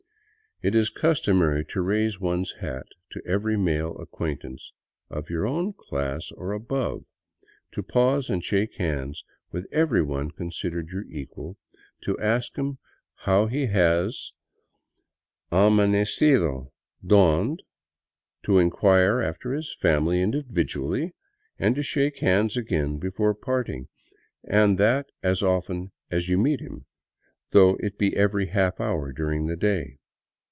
It is customary to raise one's hat to every male acquaintance " of your own class or above," to pause and shake hands with every one considered your equal, to ask him how he has amanecido ("dawned"), to inquire after his family individually, and to shake hands again before parting; and that as often as you meet him, though it be every half hour during the day.